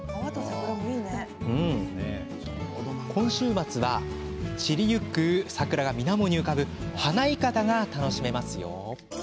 今週末は、散りゆく桜がみなもに浮かぶはないかだが楽しめます。